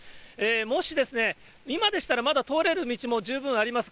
もし、今でしたらまだ通れる道も十分あります。